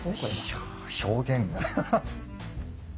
いや表現が。